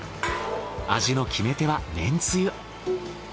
味の決め手はめんつゆ。